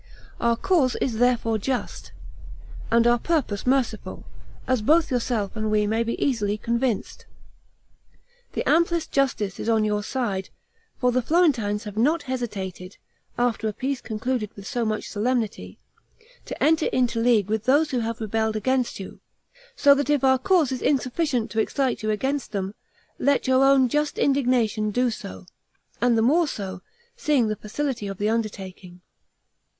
Our cause is therefore just, and our purpose merciful, as both yourself and we may be easily convinced. The amplest justice is on your side; for the Florentines have not hesitated, after a peace concluded with so much solemnity, to enter into league with those who have rebelled against you; so that if our cause is insufficient to excite you against them, let your own just indignation do so; and the more so, seeing the facility of the undertaking.